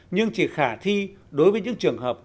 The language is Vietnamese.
nhưng chỉ khả thi đối với những trường hợp